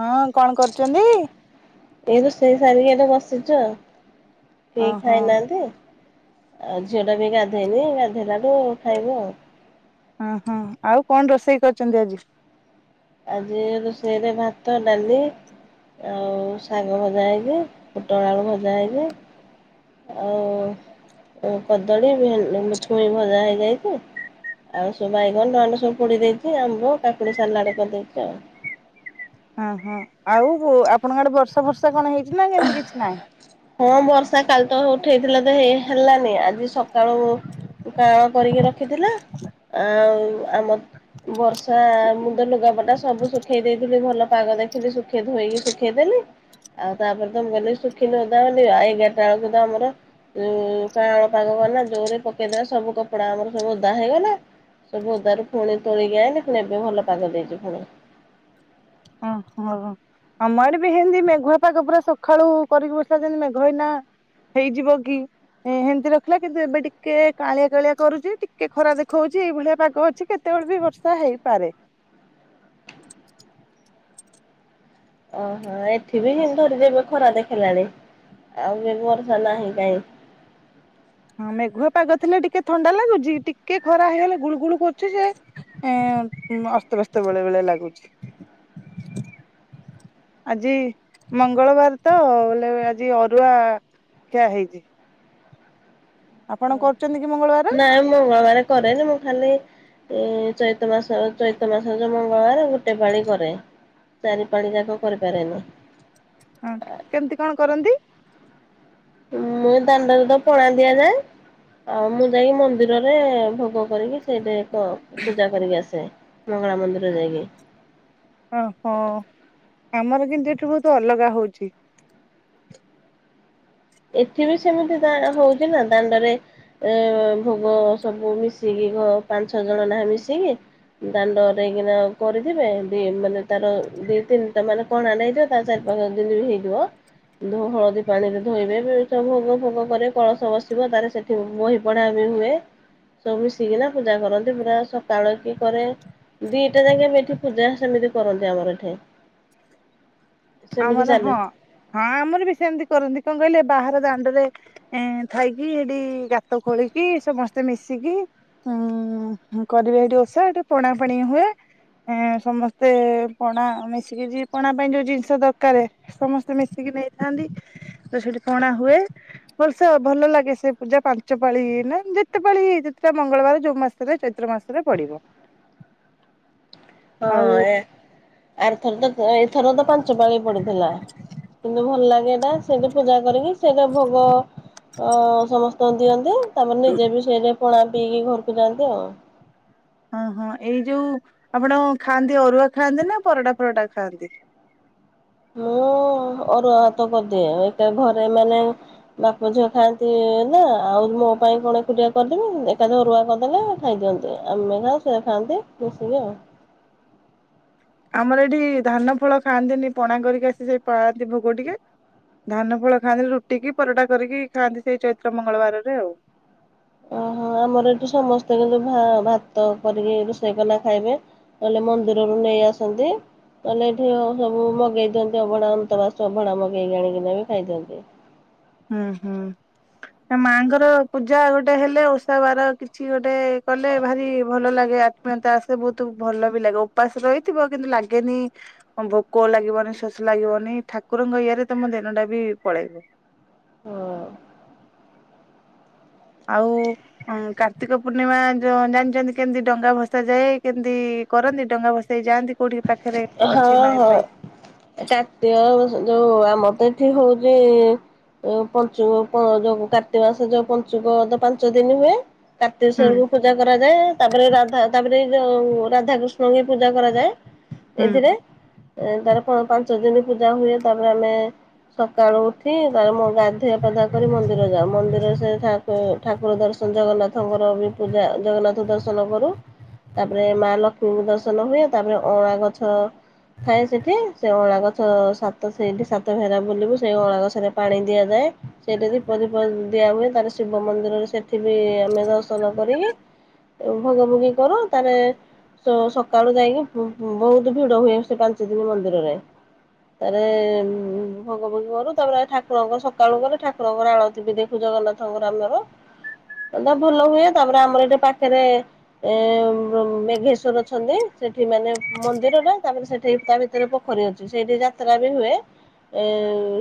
ହଁ କଣ କରୁଛନ୍ତି? ଏଇ ରୋଷେଇ ସାରିକି ଏଇଟି ବସିଚୁ ଆଉ। କେହି ଓହୋ ଖାଇନାହାନ୍ତି। ଆଉ ଝିଅଟା ବି ଗାଧେଇନି, ଗାଧେଇଲାଠୁ ଖାଇବୁ ଆଉ। ଉଁ ହୁଁ, ଆଉ କଣ ରୋଷେଇ କରିଛନ୍ତି ଆଜି? ଆଜି ରୋଷେଇରେ ଭାତ, ଡାଲି, ଆଉ ଶାଗ ଭଜା ହେଇଚି, ପୋଟଳ ଆଳୁ ଭଜା ହେଇଚି। ଆଉ କଦଳୀ ଭେ ଛୁଇଁ ଭଜା ହେଇଯାଇଛି। ଆଉ ସବୁ ବାଇଗଣ ବାଇଗଣ ସବୁ ପୋଡି ଦେଇଛି, ଆମ୍ବ, କାକୁଡି ସାଲାଡ଼ କରିଦେଇଛି ଆଉ। ଉଁ ହୁଁ, ଆଉ ଆପଣଙ୍କ ଆଡେ ବର୍ଷା ଫର୍ଷା କଣ ହେଇଛି ନା, ସେମିତି କିଛି ନାହିଁ? ହଁ, ବର୍ଷା କାଲି ତ ଉଠେଇଥିଲା ଯେ ହେଇ ହେଲାନି, ଆଜି ସ କାଳୁ କାଳ କରିକି ରଖିଥିଲା, ଆଉ ଆମ ବର୍ଷା ମୁଁ ତ ଲୁଗାପଟା ସବୁ ଶୁଖେଇ ଦେଇଥିଲି ଭଲ ପାଗ ଦେଖି ସୁଖେ ଧୋଇକି ସୁଖେଇ ଦେଲି। ତାପରେ ତ ମୁଁ ଗଲି ଶୁଖିଲେ ଓଦା ହେବ ବୋଲିକା ଏଗାରଟା ବେଳକୁ ତ ଆମର ଉ କାଁଳ ପାଗ କଲା ଯୋରେ ପକେଇଦେଲା ସବୁ କପଡା ଆମର ସବୁ ଓଦା ହେଇଗଲା। ସବୁ ଓଦାରୁ ଫୁଣି ତୋଳିକି ଆଇଁଲି ଫୁଣି ଏବେ ଭଲ ପାଗ ଦେଇଛି ଫୁଣି। ହଁ, ହ। ଆମ ଆଡେ ବି ହେମତି ମେଘୁଆ ପାଗ ପୁରା ସକାଳୁ କରିକି ବସିଲା ଯେମତି ମେଘ ଏଇନା ହେଇଯିବ କି। ହେ -ହେମିତି ରଖିଲା କିନ୍ତୁ ଏବେ ଟିକେ କଅଁଳିଆ, କଅଁଳିଆ କରୁଛି ଟିକେ ଖରା ଦେଖଉଛି ଏଇ ଭଳିଆ ପାଗ ଅଛି କେତେ କେତେ ବେଳେ ବି ବର୍ଷା ହେଇପାରେ। ଓହୋ ଏଠି ବି ଧରିଦେବେ ଖରା ଦେଖିଲାଣି ଆଉ ଏ ବର୍ଷା ନାହିଁ କାହିଁ। ହଁ, ମେଘୁଆ ପାଗ ଥିଲେ ଟିକେ ଥଣ୍ଡା ଲାଗୁଛି ଟିକେ ଖରା ହେଇଗଲେ ଗୁଳୁ ଗୁଳୁ କରୁଛି ଯେ ଏ ଅସ୍ତଵେସ୍ତ ଭଳିଆ ଲାଗୁଛି। ଆଜି ମଙ୍ଗଳବାର ତ ବୋଲେ ଆଜି ଅରୁଆ ଖିଆ ହେଇଛି। ଆପଣ ହ କରୁଛନ୍ତି କି ମଙ୍ଗଳବାର? ନାଇଁ ମଙ୍ଗଳବାର କରେ ଯେ ମୁଁ ଖାଲି ଏ ଚୈତ ମାସ ଚୈତ ମାସ ଯୋଉ ମଙ୍ଗଳବାର ଗୋଟେ ପାଳି କରେ। ଚାରି ପାଳି ଯାକ କରିପାରେନି। ହଁ କି କେମତି କଣ କରନ୍ତି? ମୁଁ ଏଇ ଦାଣ୍ଡରେ ତ ପଣା ଦିଆଯାଏ। ଆଉ ମୁଁ ଯାଇକି ମନ୍ଦିରରେ ଭୋଗ କରିକି ସେଇଠି ତ ପୂଜା କରିକି ଆସେ ମଙ୍ଗଳା ମନ୍ଦିର ଯାଇକି। ଓହୋ ଆମର କିନ୍ତୁ ଏଠି ବହୁତ ଅଲଗା ହଉଛି। ଏଠି ବି ସେମିତି ଦା ହଉଛି ନା ଦାଣ୍ଡରେ। ଏ ଭୋଗ ସବୁ ମିଶିକି ଘ ପାଞ୍ଚ ଛଅ ଜଣ ନହା ମିଶିକି ଦାଣ୍ଡରେଇକିନା କରିଦିବେ ଦି ମାନେ ତାର ଦି ତିନିଟା ମାନେ କଣା ନେଇଯିବ ତା ଚାରି ପାଞ୍ଚ ଦିନ ବି ହେଇଯିବ ଧୋ ହଳଦୀ ପାଣିରେ ଧୋଇବେ ଭୋଗ ଫୋଗ କରେ କଳସ ବସିବ ତାର ସେଠି ବହି ପଢା ବି ହୁଏ। ସବୁ ମିଶିକିନା ପୂଜା କରନ୍ତି ପୁରା ସକାଳ କିଏ କରେ। ଦିଟା ଯାଙ୍କେ ଏଠି ପୂଜା ସେମିତି କରନ୍ତି ଆମର ଏଠି। [unintelligible] ସେମିତି ଆମର ଚାଲେ ହଁ, ହଁ ଆମର ବି ସେମିତି କରନ୍ତି କଣ କହିଲେ ବାହାର ଦାଣ୍ଡରେ ଏ ନେ ଥାଇକି ସେଠି ଗାତ ଖୋଳିକି ସମସ୍ତେ ମିଶିକି ହୁଁ, କରିବେ ଏଠି ଓଷା ଏଠି ପଣା ପଣି ହୁଏ। ହେଁ ସମସ୍ତେ ପଣା ମିଶିକି ଯ ପଣା ପାଇଁ ଯୋଉ ଜିନିଷ ଜିନିଷ ଦରକାର ସମସ୍ତେ ମିଶିକି ନେଇଥାନ୍ତି ତ ସେଠି ପଣା ହୁଏ। ଭଲସେ ଭଲ ଲାଗେ ସେ ପୂଜା ପାଞ୍ଚ ପାଳି ନା ଯେତେ ପାାଳି ଯେତେଟା ମଙ୍ଗଳବାର ଯୋଉ ମାସ ଚୈତ୍ର ମାସରେ ପଡିବ। ଆଉ ହଁ, ଏ ଆର ଥର ତ ଏଇଥର ତ ପାଞ୍ଚ ପାଳି ପଡିଥିଲା କିନ୍ତୁ ଭଲ ଲାଗେ ଏଇଟା ସେଇଠି ପୂଜା କରିକି ସେଇଟା ଭୋଗ ସମସ୍ତଙ୍କୁ ଦିଅନ୍ତି ତାପରେ ନିଜେ ବି ସେଇଟା ପଣା ପିଇକି ଘରକୁ ଯାଆନ୍ତି ଆଉ। ଓ ହଁ ଏଇ ଯୋଉ ଆପଣ ଖାଆନ୍ତି ଅରୁଆ ଖାଆନ୍ତି ନା ପରଟା ଫରଟା ଖାଆନ୍ତି? ମୁଁ ଅରୁଆ ଭାତ କରିଦିଏ ଏକ ଘରେ ମାନେ ବାପ ଝିଅ ଖାଆନ୍ତି ନା ଆଉ ମୋ ପାଇଁ କଣ ଏକୁଟିଆ କରିଦେବି ଏକାଥରେ ଅରୁଆ କରିଦେଲେ। ଖାଇଦିଅନ୍ତି। ଆମେ ଯାହା ସେୟା ଖାଆନ୍ତି ମିଶିକି ଆଉ। ଆମର ଏଠି ଧାନ ଫଳ ଖାଆନ୍ତିନି ପଣା କରିକି ଆସି ସେଇ ପାଳାଆନ୍ତି ଭୋଗ ଟିକେ। ଧାନ ଫଳ ଖାଆନ୍ତି ରୁଟି କିି ପରଟା କରିକି ଖାଆନ୍ତି, ସେଇ ଚୈତ୍ର ମଙ୍ଗଳବାରରେ ଆଉ। ଓହୋ! ଆମର ଏଠୁ ସମସ୍ତେ କିନ୍ତୁ ଭା-ଭାତ କରିକି ରୋଷେଇ କଲା ଖାଇବେ। କହିଲେ ମନ୍ଦିରରୁ ନେଇ ଆସନ୍ତି। ନହେଲେ ଏଠି ସବୁ ମଗେଇ ଦିଅନ୍ତି ଅଭଢ଼ା ଅନ୍ତବାସୁ ଅଭଢ଼ା ମଗେଇକି ଆଣିକିନା ବି ଖାଇଦିଅନ୍ତି। ହୁଁ, ହୁଁ। ମାଙ୍କର ପୂଜା ଗୋଟେ ହେଲେ, ଓଷା ବାର କିଛି ଗୋଟେ କଲେ ଭାରି ଭଲ ଲାଗେ ଆ ମାନେ ତା ସେ ବହୁତ ଭଲ ବି ଲାଗେ, ଉପାସ ରହିଥିବ କିନ୍ତୁ ଲାଗେନି ଭୋକ ଲାଗିବନି, ଶୋଷ ଲାଗିବନି, ଠାକୁରଙ୍କ ଇୟରେ ତମ ଦିନ ଟା ବି ପଳେଇବ। ହଁ। ଆଉ ହଁ କାର୍ତ୍ତିକ ପୂର୍ଣ୍ଣିମା ଯୋଉ ଜାଣିଛନ୍ତି କେମିତି ଡଙ୍ଗା ଭସା ଯାଏ, କେମିତି କରନ୍ତି, ଡଙ୍ଗା ଭସେଇ ଯାଆନ୍ତି? କୋଉଠି ପାଖରେ ହଁ, ଅଛି ନଈ ହଁ। ଫଇ ଟାଟୁଅ ଯୋଉ ଆମର ତ ଏଠି ହଉଚି ଏ ପଞ୍ଚୁକ ପ ଯୋଉ କାର୍ତ୍ତି ମାସ ଯୋଉ ପଞ୍ଚୁକ ଦ ପାଞ୍ଚ ଦିନ ହୁଏ। ହୁଁ କାର୍ତ୍ତିକେଶ୍ୱର କୁ [unintelligible] ପୂଜା କରାଯାଏ, ତାପରେ ରାଧା ତାପରେ ଯଉ ରାଧାକୃଷ୍ଣଙ୍କୁ ବି ପୂଜା କରାଯାଏ। ହୁଁ ଏଇଥିରେ ତାର ପାଞ୍ଚ ଦିନ ପୂଜା ହୁଏ। ତାପରେ ଆମେ ସକାଳୁ ଉଠି କି ତା ମୁଁ ଗାଧୋଇଆ ପାଧୁଆ କରି ମନ୍ଦିର ଯାଉ, ମନ୍ଦିର ସେ ଠାକୁ-ଠାକୁର ଦର୍ଶନ ଜଗନ୍ନାଥଙ୍କର ବି ପୂଜା ଜଗନ୍ନାଥ ଦର୍ଶନ କରୁ, ତାପରେ ମା ଲକ୍ଷ୍ମୀଙ୍କୁ ଦର୍ଶନ ହୁଏ। ତାପରେ ଅଁଳା ଗଛ। ଥାଏ ସେଠି। ସେ ଅଁଳା ଗଛ ସାତ ସେଇଠି ସାତ ଫେରା ବୁଲିବୁ ସେଇ ଅଁଳା ଗଛରେ ପାଣି ଦିଆଯାଏ। ସେଇଟି ଦୀପ ଧୂପ ଦିଆ ହୁଏ। ତାର ଶିବ ମନ୍ଦିରରେ ସେଠି ବି ଆମେ ଦର୍ଶନ କରିକି ଭୋଗ ଭୋଗି କରୁ ତାରେ, ସକାଳୁ ଯାଇକି ବୁ-ବହୁତ ଭିଡ ହୁଏ ସେ ପାଞ୍ଚ ଦିନ ମନ୍ଦିରରେ ତାରେ ଉଁ ଭୋଗଭୁଗି କରୁ ତାପରେ ଠାକୁରଙ୍କର ସକାଳୁ ଗଲେ ଠାକୁରଙ୍କର ଆଳତି ବି ଦେଖୁ ଜଗନ୍ନାଥ ହଁ ଗ୍ରାମରେ ତା ଭଲ ହୁଏ ତାପରେ ଆମର ଏଇଠି ପାଖରେ ଏ ମେ-ମେଘେଶ୍ଵର ଅଛନ୍ତି ସେ ସେଠି ମାନେ ମନ୍ଦିରରେ, ତାପରେ ସେଠି ତା ଭିତରେ ପୋଖରୀ ଅଛି ସେଇଠି ଯାତ୍ରା ବି ହୁଏ। ଏ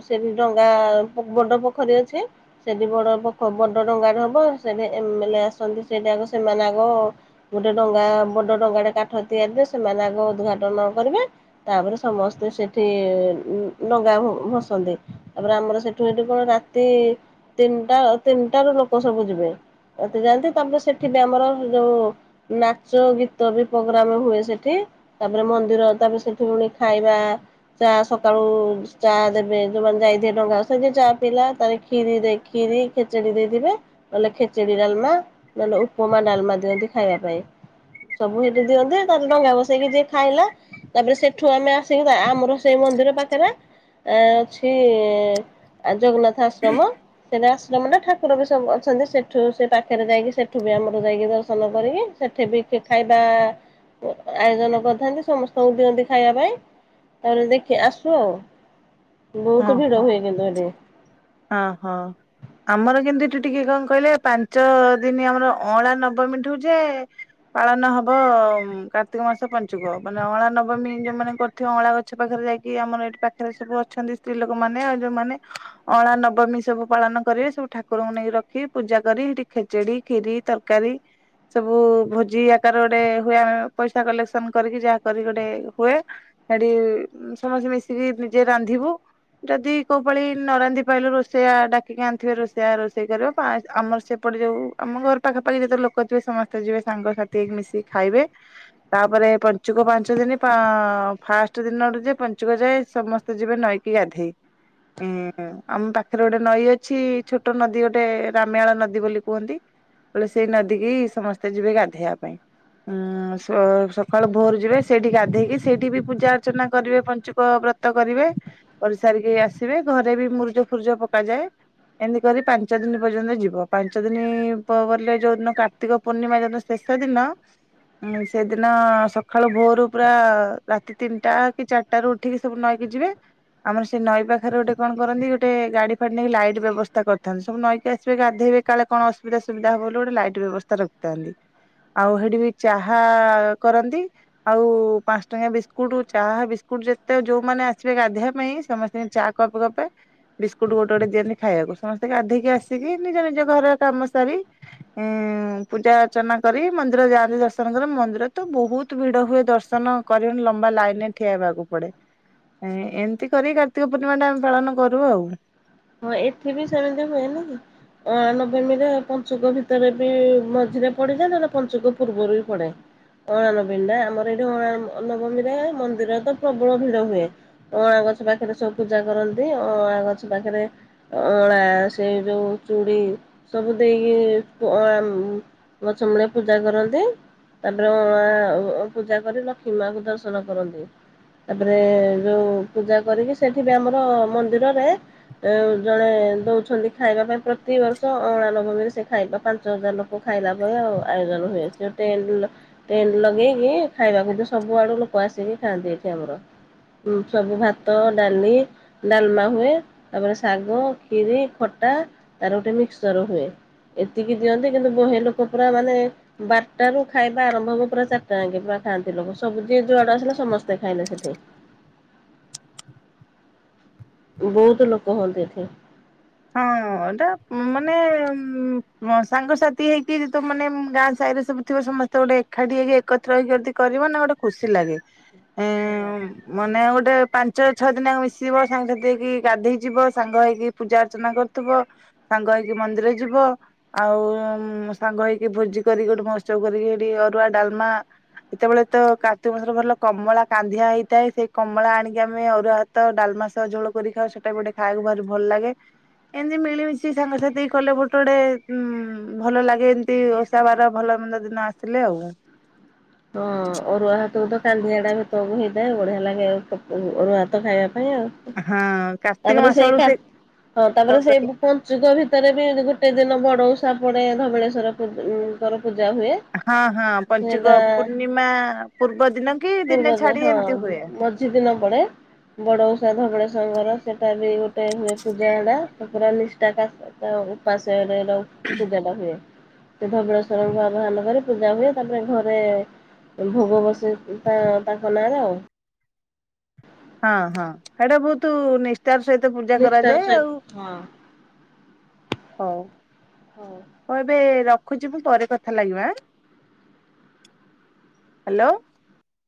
ସେଠି ଡଙ୍ଗା ବଡ ପୋଖରୀ ଅଛି। ସେଠି ବଡ ପଖ ବଡ ଡଙ୍ଗାଟା ହବ ସେଠି ଏମ୍ ଏଲ୍ଏ ଆସନ୍ତି ସେଠି ଆଗ ସେମାନେ ଆଗ ଗୋଟେ ଡଙ୍ଗା ବଡ ଡଙ୍ଗାଟେ କାଠ ତିଆରି ରେ, ସେମାନେ ଆଗ ଉଦ୍ ଘାଟନ କରିବେ। ତାପରେ ସମସ୍ତେ ସେଠି ଡ଼ଙ୍ଗା ଭସନ୍ତି। ତାପରେ ଆମର ସେଠୁ ଏଠୁ କଣ ରାତି ତିନିଟା ତିନିଟା ରୁ ଲୋକ ସବୁ ଯିବେ। ଏତେ ଯାଆନ୍ତି। ତାପରେ ସେଠି ବି ଆମର ଯୋଉ ନାଚ ଗୀତ ବି ପ ଗ୍ରାମ ହୁଏ ସେଠି ତାପରେ ମନ୍ଦିର ତାପରେ ସେଠି ପୁଣି ଖାଇବାଁ ଚା' ସକାଳୁ ଚା ଦେବେ ଯୋଉମାନେ ଯାଇଥିଏ ଡଙ୍ଗା ଭସେଇ, ସେଇଥି ଚା' ପଇିଲା ତାେ କ୍ଷୀରି ଦେଇି ଖିରି ଖେଚେଡି ଦେଇଥିବେ, ନହେଲେ ଖେଚେଡି ଡାଲମା ନହେଲେ ଉପମା ଡାଲମା ଦିଅନ୍ତି ଖାଇବା ପାଇଁ। ସବୁ ହେ ଦିଅନ୍ତେ ତାହେଲେ ଡଙ୍ଗା ବସେଇକି ଯିଏ ଖାଇଲା। ତାପରେ ସେଠୁ ଆମେ ଆସିକି ଆମର ସେଇ ମନ୍ଦିର ପାଖରେ ଆ ଅଛି-ଇଁ ଆ-ଜଗନ୍ନାଥ ଆଶ୍ରମ। ସେଠା ଆଶ୍ରମଟା ଠାକୁର ବି ସବୁ ଅଛନ୍ତି ସେଠୁ ସେ ପାଖରେ ଯାଇକି ସେଠୁ ବି ଆମର ଯାଇକି, ଦର୍ଶନ କରିକି ସେଠି ବି ଖାଇବା ଆୟୋଜନ କରିଥାନ୍ତି, ସମସ୍ତଙ୍କୁ ଦିଅନ୍ତି ଖାଇବା ପାଇଁ। ତାହେଲେ ଦେଖି ଆସୁ ଆଉ ହଁ ବହୁତ ଭିଡ ହଁ ହୁଏ କିନ୍ତୁ ଏଠି। ହଁ ହଁ। ଆମର କିନ୍ତୁ ଏଠୁ ଟିକେ କଣ କହିଲେ ପାଞ୍ଚ ଦିନ ଆମର ଅଁଳା ନବମୀଠୁ ଯେ ପାଳନ ହବ କାର୍ତ୍ତିକ ମାସ ପଞ୍ଚୁକ ମାନେ ଅଁଳା ନବମୀ ଯୋଉ ମାନେ କ ଏଠି ଅଁଳା ଗଛ ପାଖରେ ଯାଇକି ଆମର ଏଠି ପାଖରେ ସବୁ ଅଛନ୍ତି ସ୍ତ୍ରୀ ଲୋକମାନେ ଯୋଉମାନେ ଅଁଳା ନବମୀ ସବୁ ପାଳନ କରିବେ ସବୁ ଠାକୁରଙ୍କୁ ନେଇକି ରଖି ପୂଜା କରି ସେଠି ଖେଚେଡି ଖିରି ତରକାରୀ ସବୁ ଭୋଜି ଆକାର ଗୋଟେ ହୁଏ ଆ ପଇସା କଲେକ୍ସନ କରିକି ଯାହା କରିକି ଗୋଟେ ହୁଏ। ସେଠି ସମସ୍ତେ ମିଶିକି ନିଜେ ରାନ୍ଧିବୁ ଯଦି କୋଉ ପାଳି ନ ରାନ୍ଧି କଇଲୁ ରୋଷେଇଆ ଡାକିକି ଆଣିଥିବେ ରୋଷେଇଆ ରୋଷେଇ କରିବ ପା ଆମର ସେପଟେ ଯୋଉ ଆମ ଘର ପାଖାପାଖି ଯେତେ ଲୋକ ଥିବେ ସମସ୍ତେ ଯିବେ ସାଙ୍ଗସାଥି ହେଇିକି ମିଶିକି ଖାଇବେ। ତାପରେ ପଞ୍ଚୁକ ପାଞ୍ଚ ଦିନି ଫା ଫାଷ୍ଟ ଦିନରୁ ଯେ ପଞ୍ଚୁକ ଯାଏ ସମ ତୁ ଯିବୁ ନଈକି ଗାଧେଇ ଉଁ ଆମ ପାଖରେ ଗୋଟେ ନଈ ଅଛି ଛୋଟ ନଦୀ ଗୋଟେ ରାମାୟାଳ ନଦୀ ବୋଲି କୁହନ୍ତି। ବଲେ ସେଇ ନଦୀ କିି ସମସ୍ତେ ଯିବେ ଗାଧେଇବା ପାଇଁ। ଉଁ ସ ସକାଳୁ ଭୋର ଯିବେ ସେଇଠି ଗାଧେଇକି ସେଇଠି ବି ପୂଜା ଅର୍ଚ୍ଚନା କରିବେ ପଞ୍ଚୁକ ବ୍ର ତ କରିବେ କରିସାରିକି ଆସିବେ ଘରେ ବି ମୁର୍ଜ ଫୁର୍ଜ ପକାଯାଏ। ଏମିତି କରି ପାଞ୍ଚ ଦିନି ପର୍ଯ୍ୟନ୍ତ ଯିବ ପାଞ୍ଚ ଦିନି ପ ବଲେ ଯୋଉଦିନ କା କାର୍ତ୍ତିକ ପୂର୍ଣ୍ଣିମା ଯୋ ଶେଷ ଦିନ ହଁ ସେଦିନ ସଖାଳୁ ଭୋରୁୁ ପୁରା ରାତି ତିନିଟା କି ଚାରିଟା ରୁ ଉ ଉଠିକି ସବୁ ନଈକି ଯିବେ ଆମର ସେ ନଈ ପାଖରେ ଗୋଟେ କଣ କରନ୍ତି ଗୋ ଗୋଟେ ଗାଡି ଫାଡି ନେଇକି ଲାଇଟ୍ ବ୍ୟବସ୍ଥା କରିଥାନ୍ତି ସବୁ ନଈକି ଆସିବେ ଗାଧେଇବେ କାଳେ କଣ ଅସୁବିଧା ସୁଭିଧା ହବ ବୋଲି ଗୋଟେ ଲାଇଟ ବ୍ୟବ ସ୍ଥା ରଖିଥାନ୍ତି ଆଉ ସେଠି ବି ଚାହା କରନ୍ତି। ଆଉ ପାଞ୍ଚ ଟଙ୍କିଆ ବିସ୍କୁଟୁ ଚାହା ବିସ୍କୁଟୁ ଯେତେ ଯୋଉ ମାନେ ଆସିବେ ଗାଧେଇବା ପାଇଁ ସମ ଚା କପ୍ କପେ ବିସ୍କୁଟୁ ଗୋଟେ ଗୋଟେ ଦିଅନ୍ତି ଖାଇବାକୁ ସମସ୍ତେ ଗାଧେଇକି ଆସିକି ନିଜ ନିଜ ଘର କାମ ସାରି ଉଁ ପୂଜା ଅର୍ଚ୍ଚନା କରି ମନ୍ଦିର ଯାଆନ୍ତି ଦର୍ଶନ କର ମନ୍ଦିର ତ ବହୁତ୍ ଭିଡ ହୁଏ ଦର୍ଶନ କରିକିନ ଲମ୍ବା ଲାଇନ ରେ ଠିଆ ହେବାକୁ ପଡେ ଏମିତି କରି କାର୍ତିକ ପୂର୍ଣ୍ଣିମା ଟା ଆମେ ପାଳନ କ ରୁ ଆଉ। ହଁ ଏଠି ବି ସେମିତି ହୁଏ ନି କି। ଅଂଳା ନବମୀରେ ପଞ୍ଚୁକ ଭିତରେ ବି ମଝିରେ ପଡିଯାଏ ନହଲେ ପଞ୍ଚୁକ ପୂର୍ବରୁ ବି ପଡେ। ଅଁଳା ନବମୀ ନା ଆମର ଏଇଠି ଅଁଳା ନବମୀରେ ମନ୍ଦିରରେ ତ ପ୍ରବଳ ଭିଡ ହୁଏ। ଅଁଣା ଗଛ ପାଖରେ ସବୁ ପୂଜା କରନ୍ତି ଅଁଳା ଗଛ ପାଖରେ ଅଁଳା ସେ ଯୋଉ ଚୁଡ଼ି ସବୁ ଦେଇକି ଅଳା ଉଁ ମଛମୂଳେ ପୂଜା କରନ୍ତି। ତାପରେ ଅଁଳା ପୂଜା କରି ଲକ୍ଷ୍ମୀ ମାଙ୍କୁ ଦର୍ଶନ କରନ୍ତି। ତାପରେ ଯୋଉ ପୂଜା କରିକି ସେଠି ବି ଆମର ମନ୍ଦିରରେ ଜଣେ ଦେଉଛନ୍ତି ଖାଇବା ପାଇଁ ପ୍ରତିବର୍ଷ ଅଁଳା ନବମୀରେ ସେ ଖାଇବା ପାଞ୍ଚ ହଜାର ଲୋ କ ଖାଇଲା ପରେ ଆଉ ଆୟୋଜନ ହୁଏ ସେଟି ଏମତି ଲୋ ଟେଣ୍ଡେ ଲଗେଇକି ଖାଇବାକୁ ଦୋଉ ସବୁ ଆଡୁ ଲୋକ ଆସିକି ଖାଆନ୍ତି ଏଠି ଆମର। ହୁଁ ସବୁ ଭାତ ଡାଲି ଡାଲମା ହୁଏ। ତାପରେ ଶାଗ ଖିରି ଖଟା ତାର ଗୋଟେ ମିକ୍ସଚର ହୁଏ। ଏତିକି ଦିଅନ୍ତି କିନ୍ତୁ ବହେ ଲୋକ ପୁରା ମାନେ ବାରଟା ରୁ ଖାଇବା ଆରମ୍ଭ ହବ ପୁରା ଚାରିଟା ଯାଙ୍କେ ପୁରା ଖାଆନ୍ତି ଲୋକ ସବୁ ଯିଏ ଯୁଆଡେ ଆସିଲେ ସମସ୍ତେ ଖାଇଲେ ସେଠି। ବହୁତ ଲୋକ ହୁଅନ୍ତି ଏଠି। ହଁ ଏଟା ମାନେ ଉଁ ମ ସାଙ୍ଗସାଥି ହେଇକି ତ ମାନେ ଗାଁ ସାହିରେ ସବୁ ଥିବ ସମସ୍ତେ ଗୋଟେ ଏକାଠି ହେଇକି ଏକତ୍ର ହେଇକି ଯଦି କରିବ ନା ଗୋଟେ ଖୁସି ଲାଗେ। [unintelligible] ହାଲୋ। ମନେ ଗୋଟେ ପାଞ୍ଚ ଛଅ ଦିନ ଆଙ୍କ ମିଶିବ ସାଙ୍ଗସାଥି ହେଇକି ଗାଧେଇ ଯିବ ସାଙ୍ଗ ହେଇକି ପୂଜା ଅର୍ଚନା କରୁଥିବ ସାଙ୍ଗ ହେଇକି ମନ୍ଦିର ଯିବ। ଆଉ ସାଙ୍ଗ ହେଇକି ଭୋଜି କରିକି ଗୋଟେ ମହତ୍ସବ କରିକି ହେଠି ଅରୁଆ ଡାଲମା ସେତେବେଳେ ତ କାର୍ତ୍ତିକ ମାସରେ ଭଲ କମଳା କାନ୍ଧିଆ ହେଇଥାଏ। ସେଇ କମଳା ଆଣିକି ଆମେ ଅରୁଆ ଭା ତ ଡାଲମା ସ‌ଅ ଝୋଳ କରି ଖାଉ। ସେଟା ଗୋଟେ ଖାଇବାକୁ ଭାରି ଭଲ ଲାଗେ। ଏମିତି ମିଳିମିଶି ସାଙ୍ଗସାଥି ହେଇକି କଲେ ଗୋଟେ ଗୋଟେ ଉଁ ଭଲ ଲାଗେ। ଏମିତି ଓଷା ବାର ଭଲ ମନ୍ଦ ଦିନ ଆ ସିଲେ ଆଉ। ହଁ ଅରୁଆ ଭାତକୁ ତ କାନ୍ଦିଆଟା ହେତ ବୋଳୁକୁ ହେଇଥାଏ ବଢିଆ ଲାଗେ ଆଉ [unintelligible] ଅରୁଆ ଭାତ ଖାଇବା ପାଇଁ ଆଉ। ହଁ [inaudible] କାର୍ତ୍ତିକ ତାପରେ ମାସ ସେଇ ବେଳକୁ ଖା ହଁ ତାପରେ ସେ ବୁ ପଞ୍ଚୁକ ଭିତରେ ବି ଗୋଟେ ଦିନ ବଡ ଓଷା ପଡେ ଧବଳେଶ୍ୱର ପୂ ଙ୍କର ପୂଜା ହୁଏ। ହଁ ହଁ ପଞ୍ଚୁକ ସେଇଟା ପୂର୍ଣ୍ଣିମା ପୂର୍ବ ଦିନ କି ପୂର୍ବ ଦିନେ ଛାଡି ହଁ ଏମିତି ହୁଏ। [unintelligible] ଦିନ ପଡେ। ବଡ ଓଷା ଧବଳେଶ୍ଵରଙ୍କର ସେଟା ବି ଗୋଟେ ହୁଏ ପୂଜା ହେଡା ପୁରା ନିଷ୍ଠା କାଶ ସେଟା ଉପାସରେ ର ପୂଜାଟା ହୁଏ। ସେ ଧବଳେଶ୍ଵରଙ୍କର ଆମ ଘରେ ପୂଜା ହୁଏ ତାପରେ ଘ ରେ ଭୋଗ ବସେ ତା-ତାଙ୍କ ନାଁରେ ଆଉ। ହଁ ହଁ ହେଟା ବୋହୁତ ନିଷ୍ଟାର ସହିତ ପୂଜା ନିଷ୍ଠାର କରାଯାଏ ଆଉ। ସହିତ ହଁ ହୋଉ। ହୋଉ। ହଁ ଏବେ ରଖୁଚି। ମୁଁ ପରେ କଥା ଲାଗିବା ଆଁ ହାଲୋ।